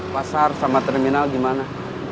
pasar sama terminal gimana